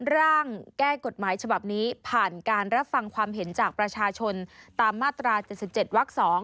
ร่างแก้กฎหมายฉบับนี้ผ่านการรับฟังความเห็นจากประชาชนตามมาตรา๗๗วัก๒